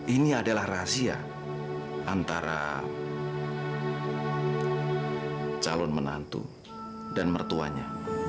ini adalah rahasia antara calon menantu dan mertuanya